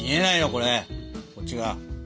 これこっちが。